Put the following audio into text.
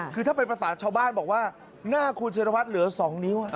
คือถ้าเป็นภาษาชาวบ้านบอกว่าหน้าคุณชิรวัตรเหลือ๒นิ้ว